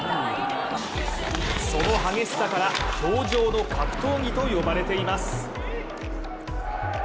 その激しさから、氷上の格闘技と呼ばれています。